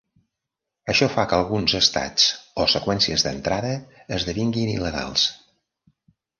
Això fa que alguns estats o seqüències d'entrada esdevinguin il·legals.